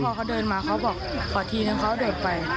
พอเขาเดินมาเขาบอกขอทีนึงเขาเดินไป